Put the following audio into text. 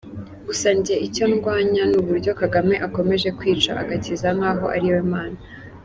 Gusa njye icyo ndwanya n’uburyo Kagame akomeje kwica agakiza nkaho ariwe mana.